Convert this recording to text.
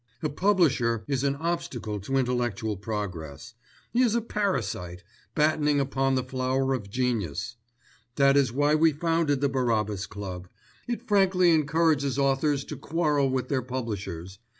"A publisher is an obstacle to intellectual progress. He is a parasite, battening upon the flower of genius. That is why we founded the Barabbas Club. It frankly encourages authors to quarrel with their publishers.